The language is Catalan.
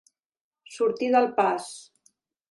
Sortir del pas.